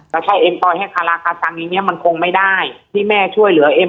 แล้วใช่เอ็มปล่อยให้คาราคาซังอย่างเงี้มันคงไม่ได้ที่แม่ช่วยเหลือเอ็ม